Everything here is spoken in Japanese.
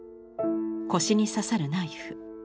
腰に刺さるナイフ。